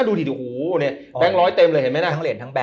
นี่แบงค์ร้อยเต็มเลยเห็นมั้ยนะ